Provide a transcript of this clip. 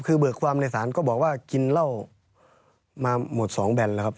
คือเบิกความในศาลก็บอกว่ากินเหล้ามาหมด๒แบนแล้วครับ